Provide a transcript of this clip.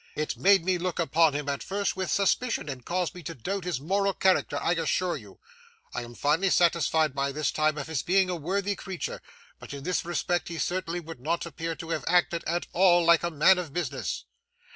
It made me look upon him at first with suspicion, and caused me to doubt his moral character, I assure you. I am fully satisfied by this time of his being a worthy creature; but in this respect he certainly would not appear to have acted at all like a man of business.